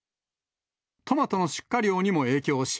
トマトの出荷量にも影響し、